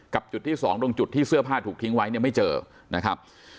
กับจุดที่๒ตรงจุดที่เสื้อผ้าถูกทิ้งไว้ยังไม่เจอนะครับ